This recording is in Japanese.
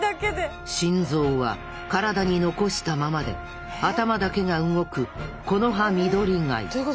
心臓は体に残したままで頭だけが動くコノハミドリガイ。